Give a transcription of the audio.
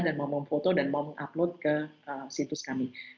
dan mau memfoto dan mau mengupload ke situs kami